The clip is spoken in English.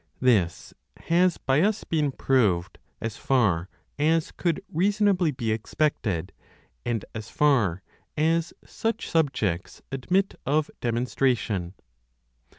This has by us been proved as far as could reasonably be expected, and as far as such subjects admit of demonstration.